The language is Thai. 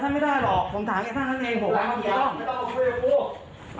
ทำอะไรก็ไม่ได้เอาเลย